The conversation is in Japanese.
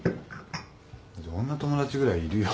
女友達ぐらいいるよ。